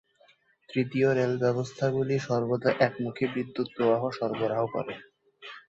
তৃতীয় রেল ব্যবস্থাগুলি সর্বদা একমুখী বিদ্যুৎ প্রবাহ সরবরাহ করে।